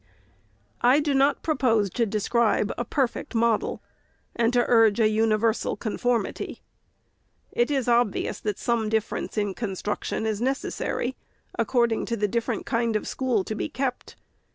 I do not propose to describe a perfect model, and to urge a universal conformity. It is obvious that some difference in construction is necessary, according to the different kind of school to be kept.